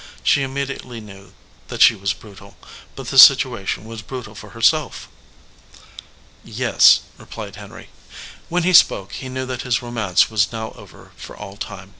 She immediately knew that she \vas brutal, but the situation was brutal for herself. "Yes," replied Henry. When he spoke he knew that his romance was now over for all time.